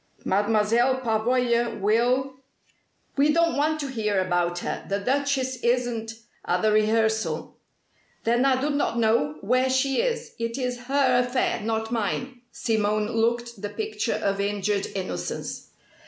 Mademoiselle Pavoya will " "We don't want to hear about her. The Duchess isn't at the rehearsal." "Then I do not know where she is. It is her affair, not mine." Simone looked the picture of injured innocence.